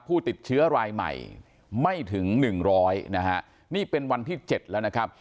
ผู้ติดเชื้อรายใหม่ไม่ถึง๑๐๐นะฮะนี่เป็นวันที่๗แล้วนะครับ